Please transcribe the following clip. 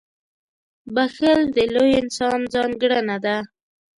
• بښل د لوی انسان ځانګړنه ده.